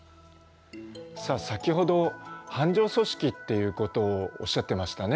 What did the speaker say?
さあ先ほど斑状組織っていうことをおっしゃってましたね。